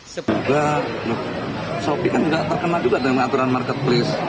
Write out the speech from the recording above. sobhika nggak terkenal juga dengan aturan marketplace